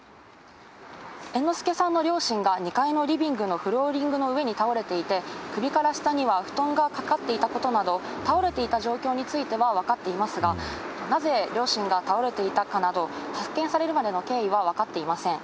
猿之助さんの両親が、２階のリビングのフローリングの上に倒れていて、首から下には、布団がかかっていたことなど、倒れていた状況については分かっていますが、なぜ両親が倒れていたかなど、発見されるまでの経緯は分かっていません。